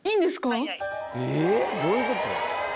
どういうこと？